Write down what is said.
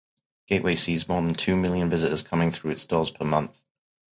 Gateway sees more than two million visitors coming through its doors per month.